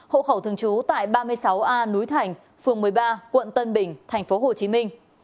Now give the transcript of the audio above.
hộ khẩu thường trú tại ba mươi sáu a núi thành phường một mươi ba quận tân bình thành phố hồ chí minh